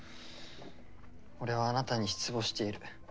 俺はあなたに失望している。